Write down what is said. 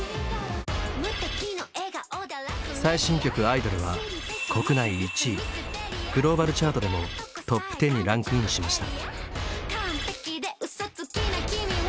最新曲「アイドル」は国内１位グローバルチャートでもトップ１０にランクインしました。